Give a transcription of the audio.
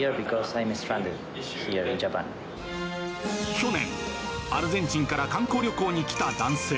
去年、アルゼンチンから観光旅行に来た男性。